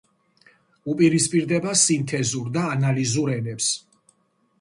უპირისპირდება სინთეზურ და ანალიზურ ენებს.